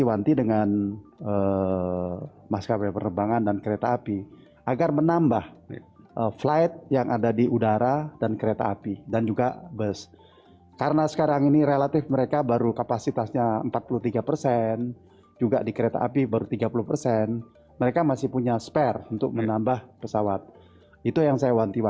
ataupun kereta dan bus